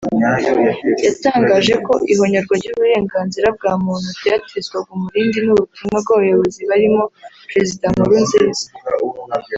yatangaje ko ihonyorwa ry’uburengaznira bwa muntu ryatizwaga umurindi n’ubutumwa bw’abayobozi barimo Perezida Nkurunziza